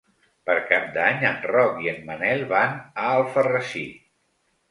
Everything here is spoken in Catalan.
Per Cap d'Any en Roc i en Manel van a Alfarrasí.